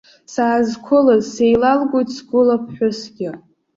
Саазқәылаз сеилалгоит сгәыла ԥҳәысгьы.